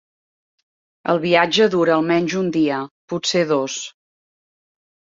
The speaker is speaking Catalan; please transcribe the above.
El viatge dura almenys un dia, potser dos.